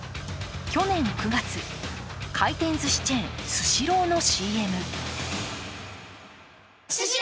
去年９月、回転ずしチェーン・スシローのＣＭ。